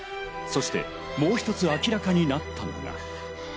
そしてもう一つ明らかになったのが。